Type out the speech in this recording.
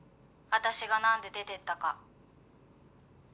私がなんで出てったか」